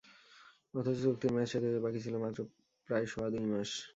অথচ চুক্তির মেয়াদ শেষ হতে বাকি ছিল মাত্র প্রায় সোয়া দুই মাস।